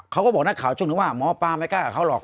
เขาก็บอกนักข่าวช่วงนึงว่าหมอปลาไม่กล้ากับเขาหรอก